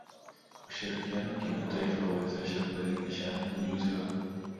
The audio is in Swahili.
Ushirikiano wa kimataifa huwezesha kubadilishana ujuzi wa